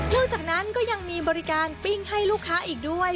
จากนั้นก็ยังมีบริการปิ้งให้ลูกค้าอีกด้วย